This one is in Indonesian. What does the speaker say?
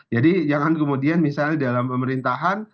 jadi jangan kemudian misalnya di dalam pemerintahan